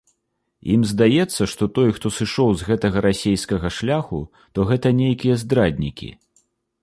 Ім здаецца, што той, хто сышоў з гэтага расейскага шляху, то гэта нейкія здраднікі.